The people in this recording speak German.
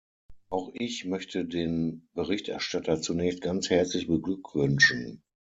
Auch ich möchte den Berichterstatter zunächst ganz herzlich beglückwünschen.